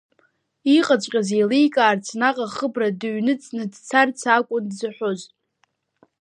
Иҟаҵәҟьаз еиликаарц, наҟ ахыбра дыҩныҵны дцарц акәын дзыҳәоз.